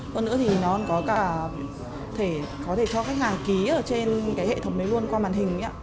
còn nữa thì nó có thể cho khách hàng ký ở trên cái hệ thống này luôn qua màn hình